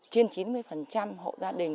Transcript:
trên chín mươi hộ gia đình